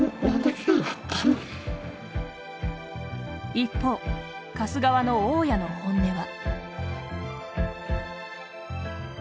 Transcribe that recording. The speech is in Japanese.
一方、貸す側の大家の本音は。